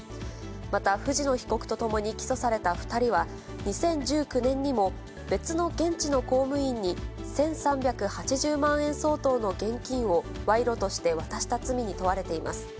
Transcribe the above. また、藤野被告と共に起訴された２人は、２０１９年にも、別の現地の公務員に１３８０万円相当の現金を賄賂として渡した罪に問われています。